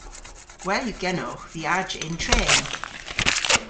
Gwell yw genowgh viajya yn tren.